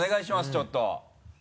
ちょっと。